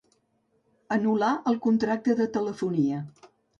Anul·lar el contracte de telefonia.